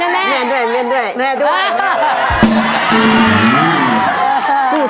บึง